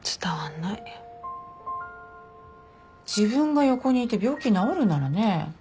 自分が横にいて病気治るならね。